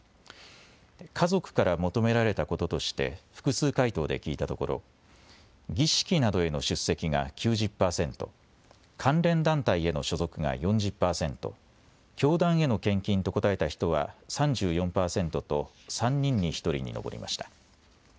家族から求められたこととして複数回答で聞いたところ儀式などへの出席が９０％、関連団体への所属が４０％、教団への献金と答えた人は３４％と３人に１人に上りました。